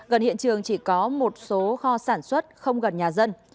gần hiện trường chỉ có một số kho sản xuất không gần nhà dân